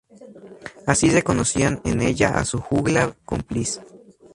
Así reconocían en ella a su juglar cómplice.